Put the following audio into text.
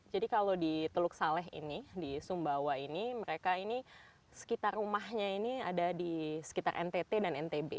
jadi kalau di teluk saleh ini di sumbawa ini mereka ini sekitar rumahnya ini ada di sekitar ntt dan ntb